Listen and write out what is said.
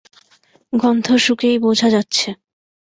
গন্ধ শুঁকেই বোঝা যাচ্ছে।